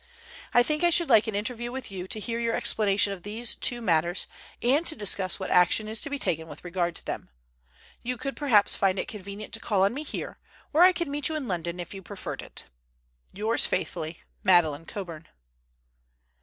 "I think I should like an interview with you to hear your explanation of these two matters, and to discuss what action is to be taken with regard to them. You could perhaps find it convenient to call on me here, or I could meet you in London if you preferred it. "Yours faithfully, "MADELEINE COBURN."